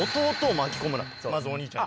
まずお兄ちゃんに。